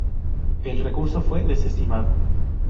El recurso fue desestimado.